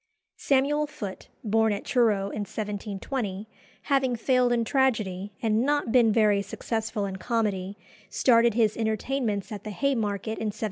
Samuel Foote, born at Truro in 1720, having failed in tragedy, and not been very successful in comedy, started his entertainments at the Haymarket in 1747.